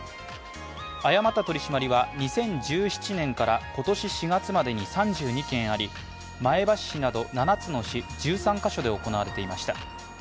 誤った取り締まりは２０１７年から今年４月までに３２件あり前橋市など７つの市、１３か所で行われていました。